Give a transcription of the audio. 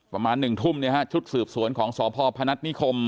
ประมาณ๑ทุ่มชุดสืบสวนของสพพนัฐนิคม